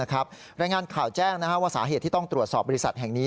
รายงานข่าวแจ้งว่าสาเหตุที่ต้องตรวจสอบบริษัทแห่งนี้